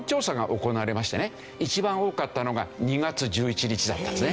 一番多かったのが２月１１日だったんですね。